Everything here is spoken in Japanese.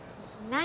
何？